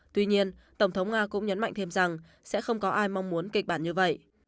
tuy nhiên tổng thống nga cũng nhấn mạnh thêm rằng sẽ không có ai mong muốn kịch bản như vậy